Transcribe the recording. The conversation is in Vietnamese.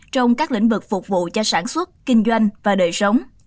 trong các lĩnh vực phục vụ cho sản xuất kinh doanh và đời sống